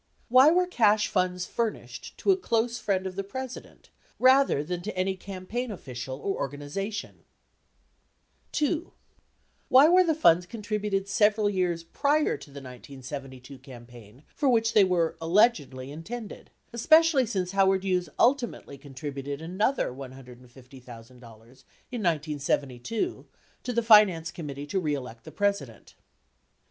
Wiry were cash funds furnished to a close friend of the President rather than to any campaign official or organization? 2. Why were the funds contributed several years prior to the 1972 campaign for which they were allegedly intended, especially since Howard Hughes ultimately contributed another $150,000 in 1972 to the Finance Committee To Re Elect the President?